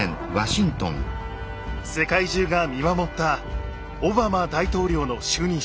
世界中が見守ったオバマ大統領の就任式。